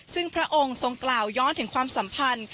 ซึ่งพระองค์ทรงกล่าวย้อนถึงความสัมพันธ์